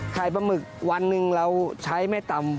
ปลาหมึกวันหนึ่งเราใช้ไม่ต่ำ